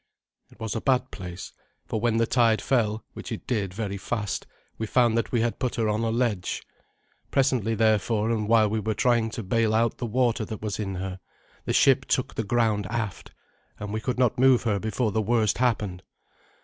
It was a bad place. For when the tide fell, which it did very fast, we found that we had put her on a ledge. Presently therefore, and while we were trying to bail out the water that was in her, the ship took the ground aft, and we could not move her before the worst happened.